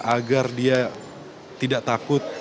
agar dia tidak takut